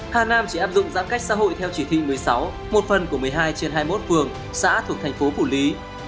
hà nam chỉ áp dụng giãn cách xã hội theo chỉ thị một mươi sáu một phần của một mươi hai trên hai mươi một phường xã thuộc thành phố phủ lý